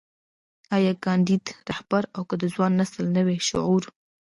ايا کانديد رهبري او که د ځوان نسل نوی شعور.